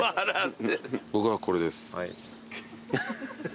僕はこれです。